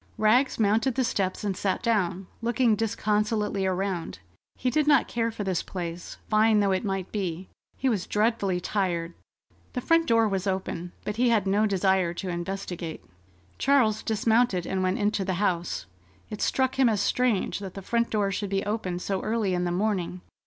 Rags mounted the steps and sat down, looking disconsolately around. He did not care for this place, fine though it might be. He was dreadfully tired. The front door was open, but he had no desire to investigate. Charles dismounted and went into the house. It struck him as strange that the front door should be open so early in the morning.